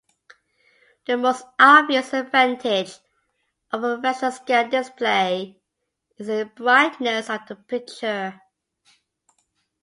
The most obvious advantage of a raster-scan display is the brightness of the picture.